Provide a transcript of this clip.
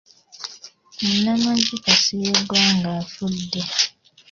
Munnamagye Kasirye Ggwanga afudde.